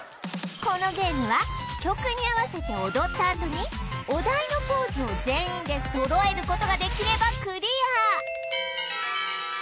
このゲームは曲に合わせて踊ったあとにお題のポーズを全員で揃えることができればクリア